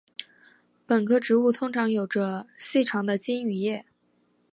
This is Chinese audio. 本科植物通常有着细长的茎与叶。